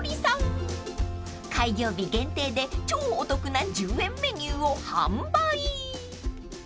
［開業日限定で超お得な１０円メニューを販売］